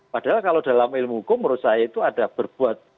padahal kalau dalam ilmu hukum menurut saya itu ada berbuat